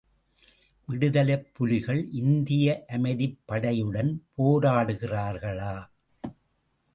விடுதலைப் புலிகள் இந்திய அமைதிப் படையுடன் போராடுகிறார்களா?